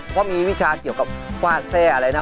เพราะมีวิชาเกี่ยวกับฟาดแทร่อะไรนะ